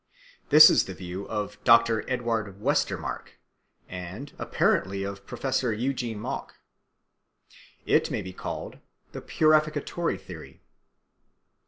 This is the view of Dr. Edward Westermarck and apparently of Professor Eugen Mogk. It may be called the purificatory theory.